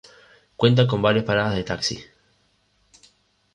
Cuenta con varias parada de taxis.